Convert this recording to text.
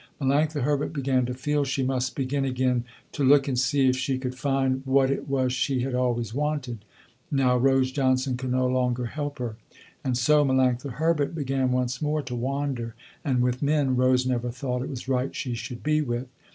Melanctha Herbert began to feel she must begin again to look and see if she could find what it was she had always wanted. Now Rose Johnson could no longer help her. And so Melanctha Herbert began once more to wander and with men Rose never thought it was right she should be with.